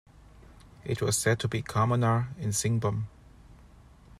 It was said to be commoner in Singhbum.